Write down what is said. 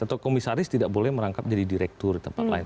atau komisaris tidak boleh merangkap jadi direktur di tempat lain